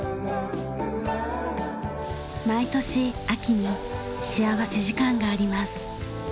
毎年秋に幸福時間があります。